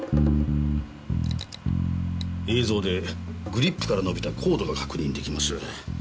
映像でグリップから延びたコードが確認できます。